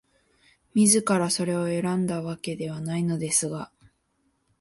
自らそれを選んだわけではないのですが、